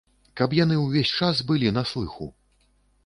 Каб яны ўвесь час былі на слыху.